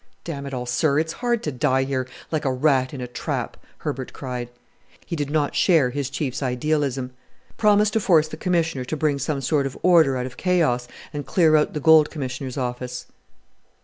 "Damn it all, sir, it's hard to die here like a rat in a trap," Herbert cried. He did not share his Chief's idealism. "Promise to force the Commissioner to bring some sort of order out of chaos and clear out the Gold Commissioner's office."